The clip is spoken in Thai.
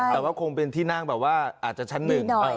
แต่ว่าคงเป็นที่นั่งแบบว่าอาจจะชั้นหนึ่ง